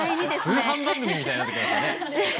通販番組みたいになってきましたね。